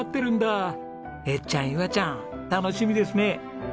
えっちゃんいわちゃん楽しみですね！